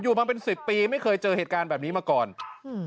มาเป็นสิบปีไม่เคยเจอเหตุการณ์แบบนี้มาก่อนอืม